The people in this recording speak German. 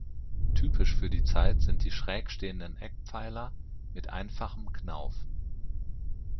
Typisch für die Zeit sind die schräg stehenden Eckpfeiler mit einfachem Knauf.